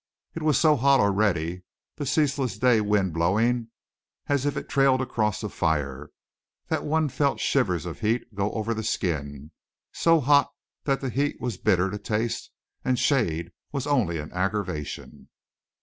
It was so hot already, the ceaseless day wind blowing as if it trailed across a fire, that one felt shivers of heat go over the skin; so hot that the heat was bitter to the taste, and shade was only an aggravation.